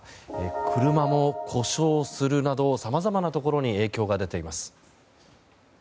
車も故障するなどさまざまなところに影響が出ています。